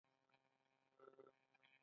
د سرو زرو کانونه هم هلته شته.